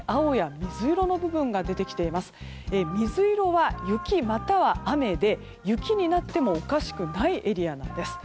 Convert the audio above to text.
水色は雪または雨で雪になってもおかしくないエリアなんです。